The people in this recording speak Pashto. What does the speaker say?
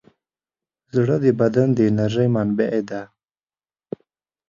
زړه د بدن د انرژۍ منبع ده.